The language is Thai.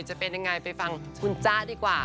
จะเป็นยังไงไปฟังคุณจ้าดีกว่า